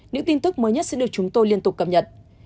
những tin tức mới nhất sẽ được chúng tôi liên tục cập nhật